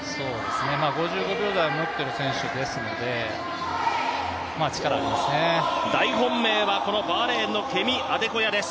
５５秒台をもっている選手ですので大本命はバーレーンのケミ・アデコヤです。